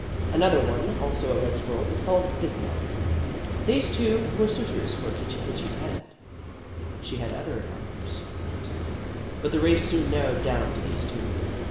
Another one, also a red Squirrel, was called " Bismarck." These two were suitors for Kit chi Kitchi's hand. She had other admirers, of course, but the race soon narrowed down to these two.